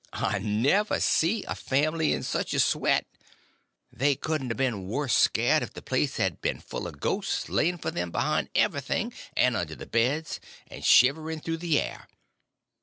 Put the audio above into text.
I never see a family in such a sweat. They couldn't a been worse scared if the place had a been full of ghosts laying for them behind everything and under the beds and shivering through the air.